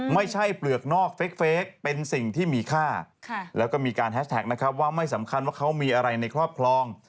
เปลือกนอกเฟคเป็นสิ่งที่มีค่าแล้วก็มีการแฮสแท็กนะครับว่าไม่สำคัญว่าเขามีอะไรในครอบครอง